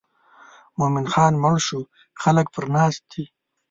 مومن خان مړ شو خلک پر ناست دي.